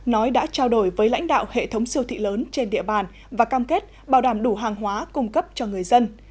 nói đã trao đổi với lãnh đạo hệ thống siêu thị lớn trên địa bàn và cam kết bảo đảm đủ hàng hóa cung cấp cho người dân